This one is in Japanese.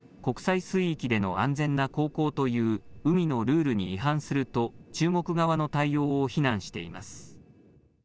アメリカのインド太平洋軍は、国際水域での安全な航行という海のルールに違反すると中国側の対応を非難しています。